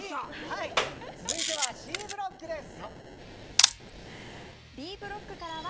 続いてはＣブロックです。